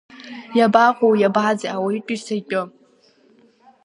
Иабаҟоу, иабаӡи, ауаҩытәыҩса итәы?